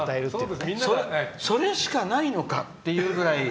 それしかないのかっていうぐらい。